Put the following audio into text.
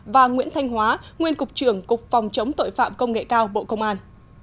và nguyễn thanh hóa nguyên cục trưởng cục phòng chống tội phạm công nghệ cao bộ công an